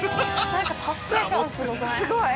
◆なんか達成感すごくない？